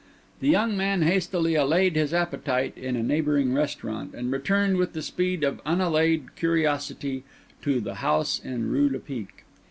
The young man hastily allayed his appetite in a neighbouring restaurant, and returned with the speed of unallayed curiosity to the house in the Rue Lepic.